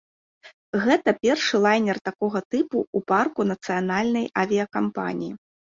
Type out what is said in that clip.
Гэта першы лайнер такога тыпу ў парку нацыянальнай авіякампаніі.